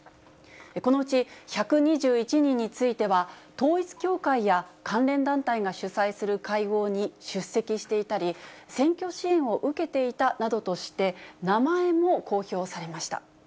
このうち１２１人については、統一教会や関連団体が主催する会合に出席していたり、選挙支援を受けていたなどとして、名前も公表されました。